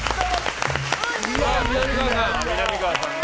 みなみかわさんね。